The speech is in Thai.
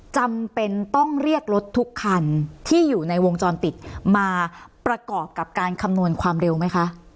จำเป็นต้องเรียกรถทุกคันที่อยู่ในวงจรปิดมาประกอบกับการคำนวณความเร็วไหมคะ